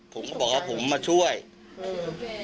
ผมก็บอกทำไมขายสิบตลอด